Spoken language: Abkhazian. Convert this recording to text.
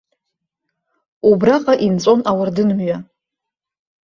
Убраҟа инҵәон ауардынмҩа.